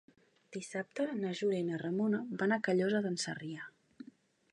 Dissabte na Júlia i na Ramona van a Callosa d'en Sarrià.